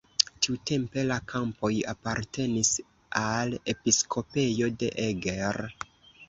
Tiutempe la kampoj apartenis al episkopejo de Eger.